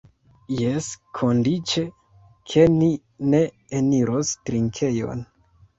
Jes, kondiĉe, ke ni ne eniros trinkejon.